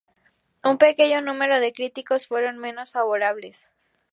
Un pequeño número de críticos fueron menos favorables.